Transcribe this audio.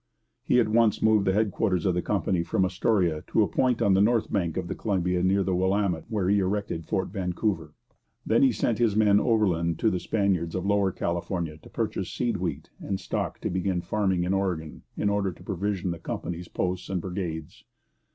He at once moved the headquarters of the company from Astoria to a point on the north bank of the Columbia near the Willamette, where he erected Fort Vancouver. Then he sent his men overland to the Spaniards of Lower California to purchase seed wheat and stock to begin farming in Oregon in order to provision the company's posts and brigades.